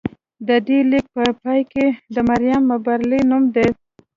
د دې لیک په پای کې د مریم مابرلي نوم و